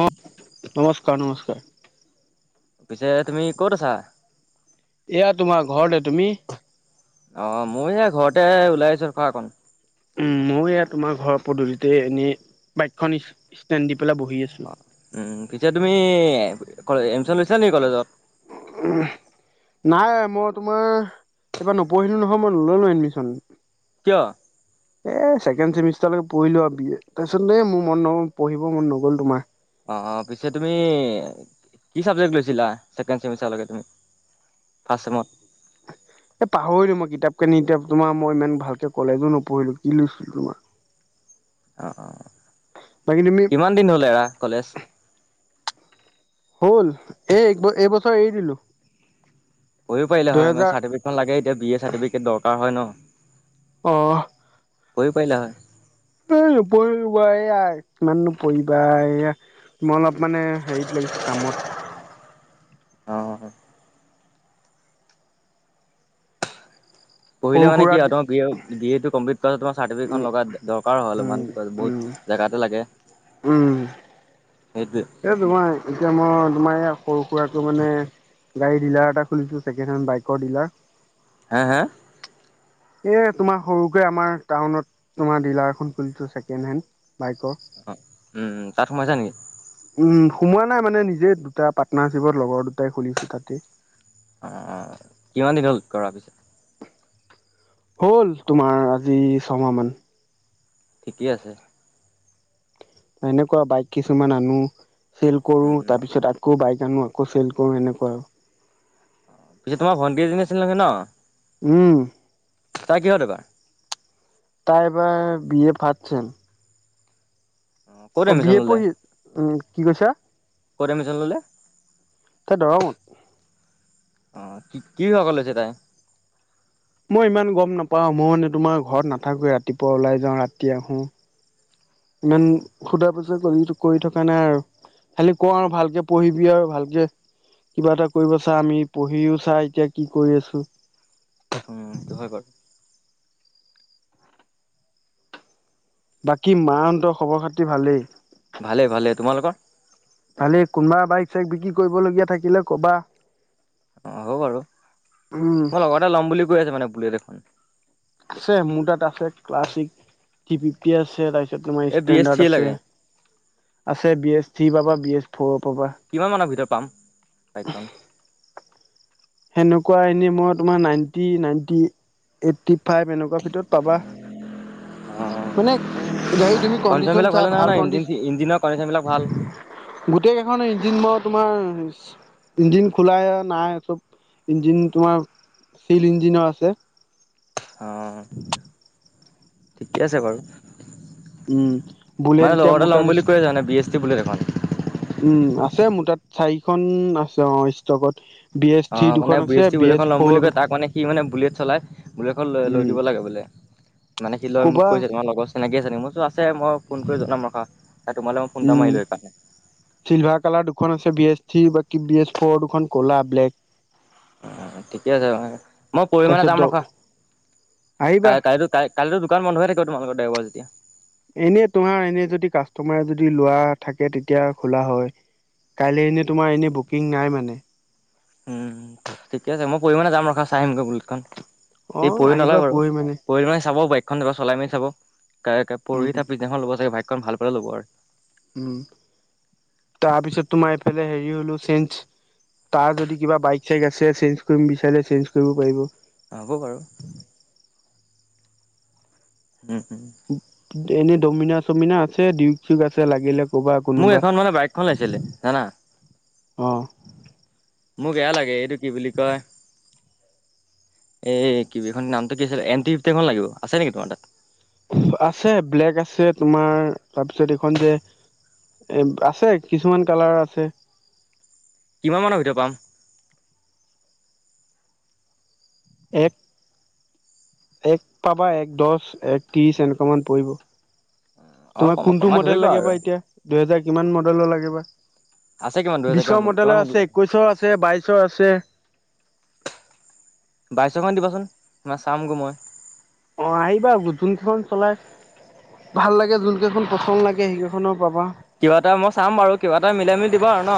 অ নমস্কাৰ নমস্কাৰ। পিছে তুমি ক'ত আছা? এয়া তোমাৰ ঘৰতে। তুমি? অ মই এই ঘৰতে ওলাই আহিছোঁ, খা অকণ। উম ময়ো এয়া তোমাৰ ঘৰৰ পদূলিতে এনেই বাইকখন ষ্টেণ্ড দি পেলাই বহি আছ- উম পিছে তুমি ক এমচন লৈছিলা নেকি কলেজত? উম। নাই মই তোমাৰ এইবাৰ নপঢ়িলো নহয় মই নললো এডমিচন। কিয়? এ ছেকেণ্ড চেমিষ্টাৰলৈকে পঢ়িলো আৰু বি এ তাৰপিছতে মোৰ মন ন পঢ়িব মন নগ'ল তোমাৰ। অ', অ', পিছে তুমি কি চাবজেক্ট লৈছিলা ছেকেণ্ড ছেমিষ্টাৰলৈকে তুমি। ফাৰ্ষ্ট ছেমত। এ পাহৰিলো মই কিতাপ কানি এতিয়া তোমাৰ মই ইমান ভালকে কলেজো নপঢ়িলো, কি [unintelligible] তোমাৰ। অ', অ'। বাকী তুমি কিমান দিন হলে এৰা কলেজ? হ'ল এই এক এইবছৰ এৰি দিলো। পঢ়িব পাৰিলে হয় মানে দুহেজাৰ চাৰ্টিফিকেটখন লাগে এতিয়া বি এ চাৰ্টিফিকেট দৰকাৰ হয় ন। অহ। পঢ়িব পাৰিলা হয়। এ নপঢ়িলো বা [unintelligible] কিমাননো পঢ়িবা এইয়া। মই অলপ মানে হেৰিত লাগিছোঁ কামত। অ', হয়। পঢ়িলে সৰু মানে কি সুৰা হয় তোমাৰ বিএ বি এ টো কম্প্লিট কৰা তোমাৰ উম চাৰ্টিফিকেটখন লগা দৰকাৰ হয় অলপমান তাৰপিছত উম উম বহুত জেগাতো লাগে, উম সেইটোৱে। এই তোমাৰ এতিয়া মই তোমাৰ এয়া সৰু সুৰাকে মানে গাড়ী ডিলাৰ এটা খুলিছো, ছেকেণ্ড হেণ্ড বাইকৰ ডিলাৰ। হা- হা। এ তোমাৰ সৰুকে আমাৰ টাউনত তোমাৰ ডিলাৰ এখন খুলিছো ছেকেণ্ড হেণ্ড। বাইকৰ। অ' উম, উম, তাত সোমাইছা নেকি। উম, সোমোৱা নাই মানে নিজে দুটা পাৰ্টনাৰশ্বিপত লগৰ দুটাই খুলিছো তাতে। উম, উম, কিমান দিন হ'ল কৰাৰ [unintelligible] হ'ল তোমাৰ আজি ছমাহ মান। ঠিকেই আছে। এনেকুৱা বাইক কিছুমান আনো, চেল কৰো উম তাৰপিছত তাত আকৌ বাইক আনো, আকৌ চেল কৰোঁ এনেকুৱা আৰু। পিছে তোমাৰ ভণ্টি এজনি আছিল নহয় ন। উম। তাই কিহত এবাৰ। তাই এবাৰ বি এ ফাষ্ট ছেম। অ'। ক'ত অ', বি এডমিশ্যন এ ল'লে পঢ়ি, উম, কি কৈছা। ক'ত এডমিছন ল'লে। তাই দৰঙত। অ', কি- কি বিভাগত লৈছে তাই। মই ইমান গম নাপাও, মই মানে তোমাৰ ঘৰত নাথাকোৱে ৰাতিপুৱা ওলাই যাওঁ, ৰাতি আহোঁ। ইমান সোধা পুচা [unintelligible] টো কৰি থকা নাই আৰু, খালি কওঁ আৰু ভালকে পঢ়িবি আৰু ভালকে কিবা এটা কৰিব চা, আমি পঢ়িও চা এতিয়া কি কৰি আছো। উম, [unintelligible] হয় বাৰু। বাকী মাহঁতৰ খবৰ খাতি ভালেই। ভালেই- ভালেই তোমালোকৰ। ভালেই, কোনোবা বাইক চাইক বিক্ৰী কৰিবলগীয়া থাকিলে ক'বা। অ', হ'ব বাৰু, উম মোৰ লগৰ এটাই ল'ম বুলি কৈ আছে মানে বুলেট এখন। আছে মোৰ তাত আছে, ক্লাছিক থি ফিফটিয়ে আছে [unintelligible] তে তোমাৰ এই বি এছ থ্ৰী ষ্টেণ্ডাৰ্ড আছে, লাগে আছে বি এছ থ্ৰী পাবা বি এছ ফ'ৰো পাবা। কিমান মানৰ ভিতৰত পাম, বাইকখন। সেনেকুৱা এনে মই তোমাৰ নাইনটি- নাইনটি এইটটি ফাইভ এনেক কোৱা ভিতৰত পাবা। অ মানে গাড়ী তুমি কণ্ডিচন কণ্ডিশ্যনবিলাক চাই ভালে নহয় ভাল ন ইঞ্জিন কণ্ডিছন ইঞ্জিনৰ কণ্ডিশ্যনবিলাক ভাল গোটেই কেইখন ইঞ্জিন মই তোমাৰ ইঞ্জিন খোলাই নাই চব ইঞ্জিন তোমাৰ চীল ইঞ্জিনৰ আছে অ থু ঠিকে আছে বাৰু, উম বুলেট মানে এতিয়া লগৰ এটা মোৰ তাত ল'ম বুলি কৈ আছে মানে বি এছ টি বুলেট এখন। উম, আছে মোৰ তাত চাৰিখন আছে অ', ষ্ট'কত। বি এছ থ্ৰী অ', মানে দুখন বি আছে এছ টি বুলেটখন ল'ম ফ'ৰ বুলি দুখন কয় তাক মানে সি মানে বুলেট চলাই, বুলেটখন লৈ- লৈ উম দিব লাগে বোলে। মানে সি লয় মোক ক'বা কৰিছে তোমাৰ লগত চিনাকি আছে নি মইতো আছে মই ফোন কৰি জনাম ৰখা তোমালৈ মই ফোন এটা উম মাৰিলো সেইকাৰণে চিলভাৰ কালাৰ দুখন আছে বি এছ থ্ৰী বাকী বি এছ ফ'ৰ দুখন ক'লা ব্লেক অ ঠিকে আছে মই মই পৰহি মানে তাৰপিছত দ যাম ৰখা আহিবা কাই কালো কাই কাইলৈতো দোকান বন্ধ হৈ থাকিব তোমোকৰ দেওবাৰ যেতিয়া এনে তোমাৰ এনে যদি কাষ্টমাৰে যদি লোৱা থাকে তেতিয়া খোলা হয় কাইলৈ এনেই তোমাৰ এনেই বুকিং নাই মানে উম ঠিকে আছে মই পৰহি মানে যাম ৰখা চাই আহিমগৈ বুলেটখন অ এই পৰি আহিবা নলয় বাৰু পৰহি মানে পৰি মানে চাব পাৰি বুলেটখন এবাৰ চলাই মেলি চাব উম পৰহি তাৰ পিছদিনাখন ল'ব চাগে বাইকখন ভাল পালে ল'ব আৰু উম তাৰপিছত তোমাৰ এইফালে হেৰি হলো চেঞ্চ তাৰ যদি কিবা বাইক চাইক আছে চেঞ্জ কৰিম বিচাৰিলে চেঞ্চ কৰিব পাৰিব হ'ব বাৰু উম উম এনেই ডমিনা চমিনা আছে ডিউক চিউক আছে লাগিলে ক'বা মোক কোনোবা এখন মানে বাইকখন লাগিছিলে জানা। অ মো বেয়া লাগে এইটো কি বুলি কয় এই কিবি এখনৰ নামটো কি আছিল এন টি ফিফটি এখন লাগিব আছে নেকি তোমাৰ তাত আছে ব্লেক আছে তোমাৰ তাৰপিছত এইখন যে এ আছে কিছুমান কালাৰৰ আছে কিমান মানৰ ভিতৰত পাম এক এক পাবা এক দহ এক ত্ৰিশ এনেকোৱা মান পৰিব অ তোমাৰ কম কোনটো কমাই মডেল ধৰিবা আৰু লাগিবা এতিয়া দুহেজাৰ কিমান মডেলৰ লাগে বা আছে কিমান দুহেজাৰ কিমান বিশৰ মান মডেল কিমান লয় আছে একৈশৰ আছে বাইশৰ আছে। বাইছ খন দিবাচোন তোমাৰ চামগৈ মই অ আহিবা যোনখন চলাই ভাল লাগে যোনকেইখন পচন্দ লাগে সেইকেইখনৰ পাবা কিবা এটা মই চাম বাৰু কিবা এটা মিলাই মিলি দিব আৰু ন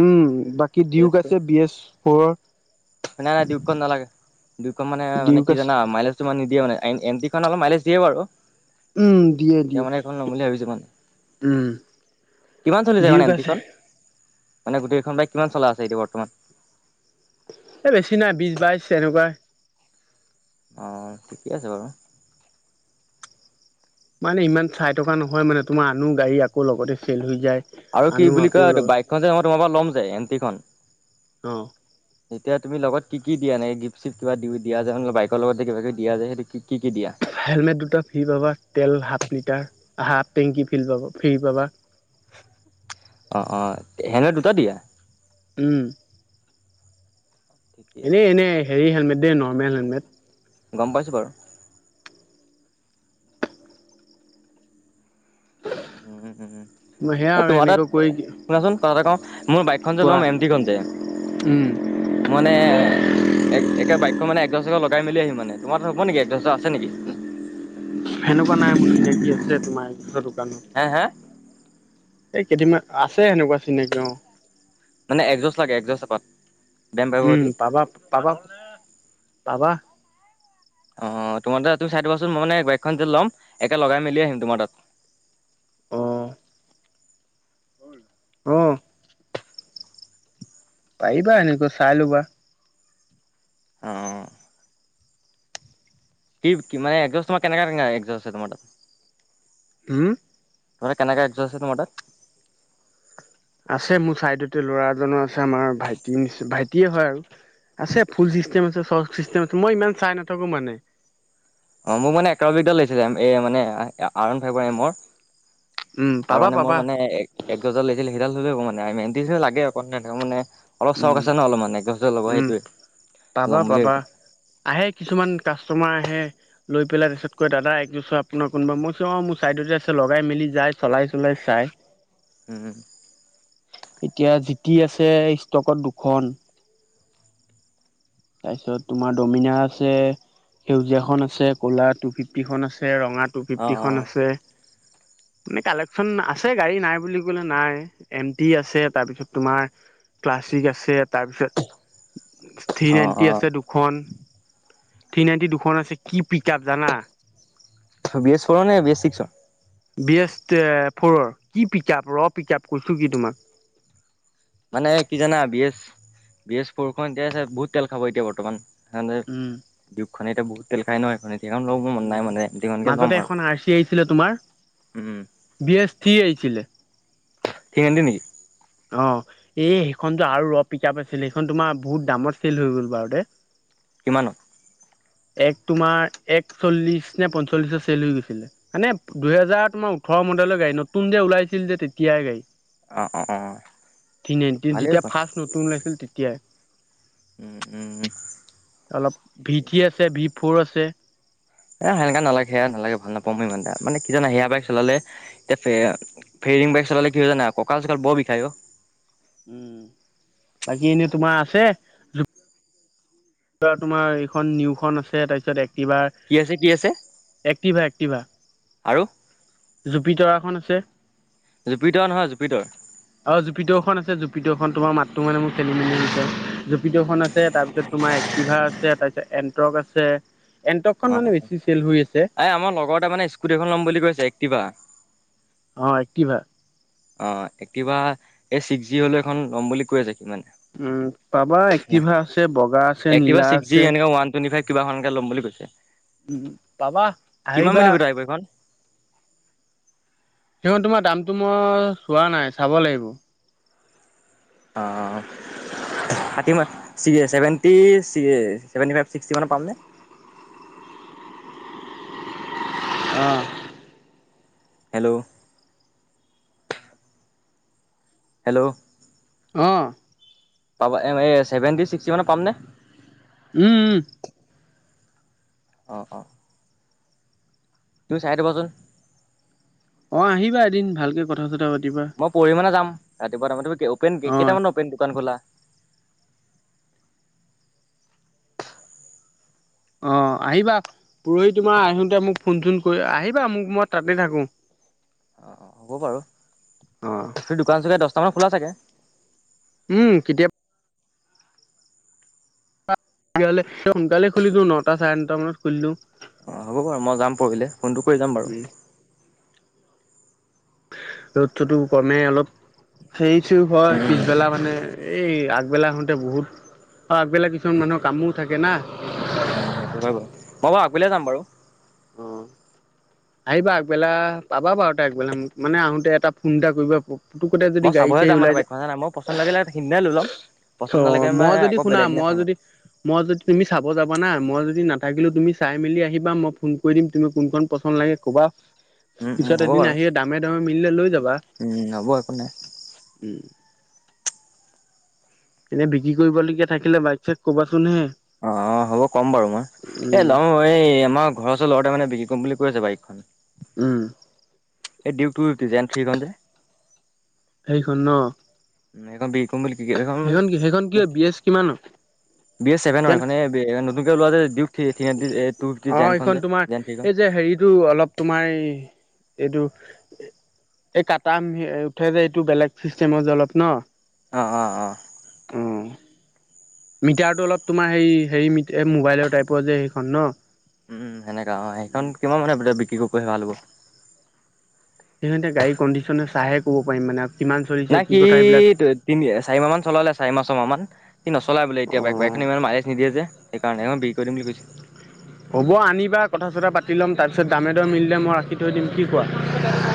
উম বাকী ডিউক ৰেটটো আছে বি এছ ফৰৰ নাই নাই ডিউকখন নালাগে ডিউকখন মানে মানে ডিউক কি আছে জানা মাইলেজ কিছুমান নিদিয়ে মানে এম টিখন অলপ মাইলেজ দিয়ে বাৰু উম দিয়ে এতিয়া দিয়ে মানে এইখন ল'ম বুলি ভাবিছো মানে উম কিমান চলিছে মানে ডিউক এম আছে টিখন মানে গোটেকেইখন বাইক কিমান চলা আছে এতিয়া বৰ্তমান এই বেছি নাই বিশ বাইশ এনেকোৱা অহ ঠিকে আছে বাৰু মানে ইমান চাই থকা নহয় মানে তোমাৰ আনো গাড়ী আকৌ লগতে ফেইল হৈ যায় আৰু কি আনো বুলি আকৌ কয় লগ বাইকখন যে মই তোমাৰ পৰা ল'ম যে এম টিখন অ [unintelligible] এতিয়া তুমি লগত কি কি দিয়া এনেকে গিভ চিফ কিবা দিও দিয়া যে বাইকৰ লগতে কিবা কিবি দিয়া যে সেইটো কি কি দিয়া হেলমেট দুটা ফ্ৰী পাবা তেল হাফ লিটাৰ হাফ টেংকি ফ্ৰী পাব ফ্ৰী পাবা অ অ হেলমেট দুটা দিয়া উম ঠিকে আছে এনেই এনেই হেৰি হেলমেট দেই নৰ্মেল হেলমেট। গম পাইছোঁ বাৰু উম উম উম। মই সেয়া অ আৰু তোমাৰ তাত এনেকৈ কৰি শুনাচোন কথা এটা কও মোৰ বাইকখন যে কোৱা ল'ম এম টিখন যে উম মানে এক একে বাইকখন মানে এচৌস্ত লগাই মেলি আহি মানে তোমাৰ হ'ব নেকি এচৌস্ত আছে নেকি। সেনেকুৱা নাই মোৰ চিনাকি আছে তোমাৰ দোকান, হে হে, এই কেইদিনমান আছে সেনেকুৱা চিনাকি অহ, মানে এচৌষ্ট লাগে এচৌষ্ট এপাত, বেম পাৰিব উম সতি পাবা পাবা পাবা। অহ তোমাৰ চাই থবাচোন মই মান বাইকখন যে ল'ম একে লগাই মেলি আহিম তোমাৰ তাত। অ অঁহ, পাৰিবা এনেকুৱা চাই লবা। অঁহ, কি মানে কি এচাউষ্ট কেনেকুৱা এচাষ্টছে তোমাৰ, উও, তোৰ কেনেকা এচৌষ্ট তোমাৰ তাত, আছে মোৰ চাইডতে ল'ৰা এজনৰ আছে আমাৰ ভাইটি নি ভাইটিয়ে হয় আৰু আছে ফুল চিষ্টেম আছে চচ চিষ্টেম আছে মই ইমান চাই নাথাকো মানে। অহ মোক মানে এক্সপ্ৰবিক দাল লাগিছিলে এই মানে আৰ ওৱান ফাইবৰ এমৰ। উম আৰু পাবা মানে মোৰ পাবা মানে, একগজাল লাগিছিল সিডাল হ'লে আ মানে [unintelligible] লাগে মানে। অলপ চক উম, আছে ন অলপমান এচৌষ্ট ল'ব উম, সেইটোৱে পাবা ল'ম বুলি পাবা ভাবিছো। আহে কিছুমান কাষ্টমাৰ আহে। লৈ পেলাই তাৰপিছত কয় দাদা এচৌষ্ট আপোনাৰ কোনোবা মই অহ মোৰ চাইডতে আছে লগাই মেলি যাই চলাই চলাই চাই। উম, এতিয়া জিটি আছে ষ্টকত দুখন। তাৰপিছত তোমাৰ দমিনা আছে সেউজীয়াখন আছে ক'লা টু ফিফটিখন আছে ৰঙাত, টু অ ফিফটিখন আছে। মানে কালেক্সন আছে গাড়ী নাই বুলি কলে নাই এম টি আছে তাৰপিছত তোমাৰ। ক্লাছিক আছে তাৰপিছত। থ্ৰী অ অ নাইণ্টি আছে দুখন থ্ৰী নাইণ্টি দুখন আছে কি পিক আপ জানা। বেছ কৰ নে বেছ চিকচত। বি এছ ফ'ৰৰ কি পিক আপ ৰ পিক আপ কৈছোঁ কি তোমাক। মানে কি জানা B S B S four খন এতিয়া আছে বহুত তেল খাব এতিয়া বৰ্তমান। সানে উম দিউকখনে এতিয়া বহুত তেল খাই ন এখনে। সেখন লব মন উম নাই মানে দিখনকে মাজতে ল'ম আৰু এখন আৰ চি আহিছিলে তোমাৰ উম, বি এছ থ্ৰি আহিছিলে। থ্ৰি হান্ড্ৰেত নেকি? অ এই সেইখন যে আৰু ৰ পিক আপ আছিলে, সেইখন তোমাৰ বহুত দামত চেল হৈ গ'ল বাৰু দে, কিমানত? এক তোমাৰ এক চল্লিশ নে পঞ্চল্লিশৰ চেল হৈ গৈছিলে। মানে দুহেজাৰ তোমাৰ ওঠৰ মদেলৰ গাড়ী নতুন যে ওলাইছিল যে তেতিয়াই গাড়ী। অ অ অ [unintelligible] ভালেই যেতিয়া ফাৰ্ষ্ট নতুন ওলাইছিল তেতিয়াই। উম উম উ অলপ ভি থ্ৰি আছে ভি ফ'ৰ আছে। এ সেনেকা নালাগে সেয়া নালাগে ভাল নাপাওঁ মই ইমান এটা, মানে কি জানা সেয়া বাইক চলালে, এতিয়া ফেৰিং বাইক চলালে কি হয় জানা, কঁকাল চকাল বৰ বিষায় অ উম, বাকী এনেই তোমাৰ আছে। তহ তোমাৰ এইখন নিউখন আছে। তাৰপিছত এক্টিভাৰ কি আছে কি আছে? এক্টিভা আৰু জুপি তৰাখন আছে। জুপিটৰা নহয় জুপিটৰ, অ জুপিটৰ খন আছে জুপিটৰ খন তোমাৰ মাতটো মানে মোৰ খেলি মেলি হৈ যায়। জুপিটৰখন আছে তাৰপিছত তোমাৰ, টিভাৰ আছে তাৰপিছত এন্টক আছে অ এণ্টকখন মানে বেছি চেল হৈ আছে। এই আমাৰ লগৰ এটাই মানে স্কুটি এখন লম বুলি কৈছে। এক্টিভা অহ এক্টিভা। অহ এক্টিভা, এই ছিক্স জিঅ হলেও এখন লম বুলি কৈ আছে কি মানে উম পাবা, এক্টিভা আছে, বগা আছে, নীলা আছে। টুৱেন্টি ফাইভ কিবা সংজ্ঞা লম বুলি কৈছে। উম, পাবা আহিবা বহী খন সেখন তোমাৰ দামটো মই চোৱা নাই, চাব লাগিব। অহ থাৰ্টি মান, seventy C seventy five, sixty মানত পামনে? অহ হেল্ল হেল্ল অহ পাবা, এহ এই ছেভেণ্টি ছিক্সটি মানত পাম নে? উম, উম অহ, অহ তুমি চাই দিবাচোন অহ আহিবা এদিন, ভালকৈ কথা চথা পাতিবা। মই পৰহি মানে যাম। ৰাতিপুৱা তাৰমানে তুমি অপেন অ কেইটামানত অপেন দোকান খোলা? অহ, আহিবা পৰহি তোমাৰ আহোতে মোক ফোন চোন কৰি আহিবা, মোক মই তাতে থাকোঁ। হব বাৰু। অ দোকান চাগে দছটা পৰা খোলা চাগে উম, কেতিয়া ইয়ালে সোনকালে খুলি‌ দিওঁ। নটা চাৰে নটা মানত খুলি দিওঁ। অ হব বাৰু মই যাম পৰহিলে। ফোনটো কৰি যাম বাৰু উম ৰদতোটো কমেই অলপ সেইটো হয়। পিছবেলা মানে এই আগবেলা হওঁতে বহুত মই আগবেলা কি কৰোঁ যান কামো থাকে না উম, সেইটো হয় বাৰু হ'ব আগবেলা যাম বাৰু উম আহিবা আগবেলা পাবা বাৰু তা আগবেলা মোক মানে আহোতে এটা ফোন এটা কৰিবা। পুটোকতে যদি মই গাড়ী চাবহে চাৰি যাম মানে ওলাই যায়। বাইকখন নাই মোৰ পচন্দ লাগিলে সিদিনাই লৈ ল'ম। পচন্দ অহ, নালাগে মানে মই যদি আকৌ শুনা বেলেগ দিনা মই চাম আৰু যদি মই যদি তুমি চাব যাবা না, মই যদি নাথাকিলো তুমি চাই মেলি আহিবা মই ফোন কৰি দিম তুমি কোন কন ফোন লাগে কবা, উম, উম, পিছত হ'ব এদিন বাৰু আহি দামে দামে মিলিলে লৈ যাবা উম, হ'ব একো নাই উম এনে বিক্ৰী কৰিবলগীয়া থাকিলে বাইক চাইক কবাচোন হে অ অ হ'ব কম বাৰু মই এ উম লওঁ অ এই আমাৰ ঘৰৰ ওচৰ লৰা এটাই মানে বিক্ৰী কৰিম বুলি কৈ আছে। বাইক উম। এই ডিউক থ্ৰু ডিজাইন থ্ৰী খন যে সেইখন নহ উম এইখন বি কম বুলি এইখন‌‌ মানে কি সেইখন কি বি এছ কিমান বি এ ছেভেন হয়। যেন এইখনে নতুনকে ওলোৱা যে দিউক অ এইখন তোমাৰ জেন থ্ৰীখন এই যে হেৰিতটো অলপ তোমাৰ এই এইটো এই কাটা উঠে যে, এইটো বেলেগ চিষ্টেমৰ অলপ যে নহ অ অ অ মিটাৰটো অলপ তোমাৰ হেই হেৰি মোবাইলৰ টাইপৰ যে সেইখন ন উম সেনেকা অ সেইখন উম, কিমান মানে বিক্ৰী কৰিব পিৰিলে‌ ভাল হ'ব সেইখন এতিয়া গড়ী কণ্ডিচন চাইহে ক'ব পাৰিম মানে কিমান চলিছে কি কথা সেইবিলাক তিনদিয়ে চাৰিমাহ মান চলাললে চাৰিমাহ ছমাহ মান সি নচলাই বোলে এতিয়া বাইক বাইকখন অ', ইমান মাইলেজ নিদিয়ে যে সেইকাৰণে এখন বিকি কৰি দিম বুলি কৈছে হ'ব আনিবা কথা চথা পাতি ল'ম তাৰপিছত দামে দৰে মিলিলে মই ৰাখি থৈ দিম কি কোৱা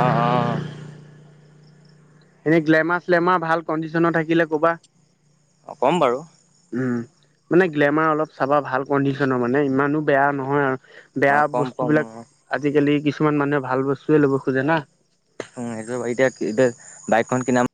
অ অ এনেই গ্লেমাৰ চেলমাৰ ভাল কণ্ডিচনৰ থাকিলে ক'বা। অ ক'ম বাৰু উম মানে গ্লেমাৰ অলপ চাবা ভাল কণ্ডিশনৰ মানে ইমানো বেয়া নহয়। বেয়া অ' কম বস্তু কম বিলাক অ' আজি কালি কিছুমান মানুহে ভাল বস্তুয়ে ল'ব খোজে না। উম সেইটোৱে বাউ এতিয়া এতিয়া বাইকখন কিনাম